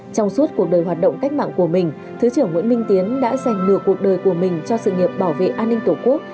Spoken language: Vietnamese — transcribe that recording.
trong suốt cuộc đời hoạt động cách mạng của mình thứ trưởng nguyễn minh tiến đã giành nửa cuộc đời của mình cho sự nghiệp bảo vệ an ninh tổ quốc